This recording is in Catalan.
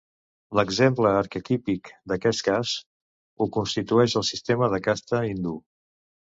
L'exemple arquetípic d'aquest cas ho constituïx el sistema de casta hindú.